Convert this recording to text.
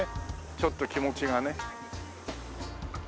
ちょっと気持ちがね。